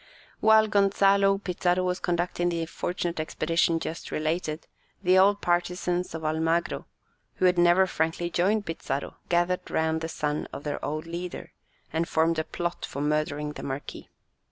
While Gonzalo Pizarro was conducting the unfortunate expedition just related, the old partisans of Almagro, who had never frankly joined Pizarro, gathered round the son of their old leader, and formed a plot for murdering the Marquis.